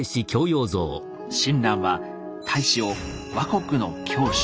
親鸞は太子を「和国の教主」